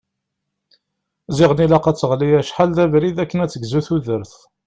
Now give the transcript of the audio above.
Ziɣen ilaq ad teɣli acḥal d abrid akken ad tegzu tudert.